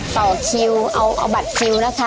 ต่อคิวเอาบัตรคิวนะคะ